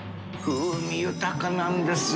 風味豊かなんですよ。